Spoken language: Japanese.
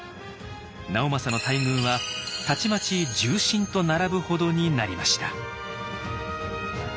直政の待遇はたちまち重臣と並ぶほどになりました。